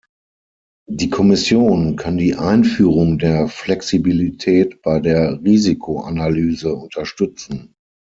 Die Kommission kann die Einführung der Flexibilität bei der Risikoanalyse unterstützen.